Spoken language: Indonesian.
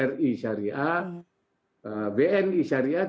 bri syariah bni syariah